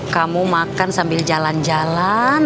kamu makan sambil jalan jalan